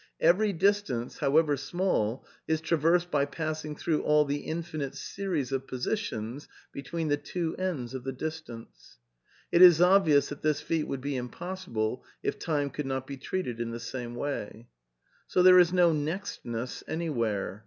Every distance, however small, is traversed by passing through all the infinite series of positions between the two ends of the distance." (Our Knowl edge of the External World, pp. 133 134.) I It is obvious that this feat would be impossible if time could not be treated in the same way. So there is' no nextness anywhere.